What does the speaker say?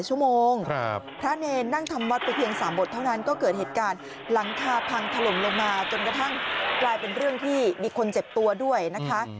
จนกระทั่งกลางเป็นเรื่องที่มีคนเจ็บตัวด้วยนะคะ